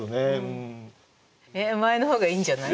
え前の方がいいんじゃない？